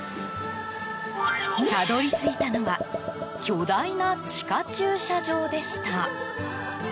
たどり着いたのは巨大な地下駐車場でした。